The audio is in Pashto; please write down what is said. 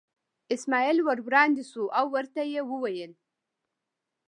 اسماعیل ور وړاندې شو او ورته یې وویل.